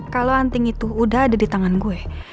kalau anting itu udah ada di tangan gue